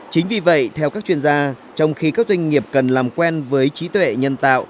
chính vì vậy theo các chuyên gia trong khi các doanh nghiệp cần làm quen với trí tuệ nhân tạo